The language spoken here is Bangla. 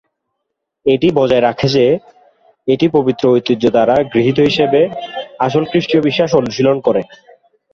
এটি বজায় রাখে যে, এটি পবিত্র ঐতিহ্য দ্বারা গৃহীত হিসাবে আসল খ্রীষ্টীয় বিশ্বাস অনুশীলন করে।